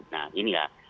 nah ini ya